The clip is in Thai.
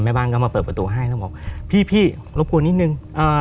บ้านก็มาเปิดประตูให้แล้วบอกพี่พี่รบกวนนิดนึงเอ่อ